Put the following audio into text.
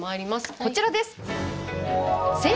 こちらです。